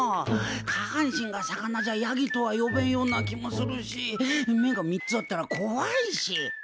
下半身が魚じゃやぎとは呼べんような気もするし目が３つあったらこわいし。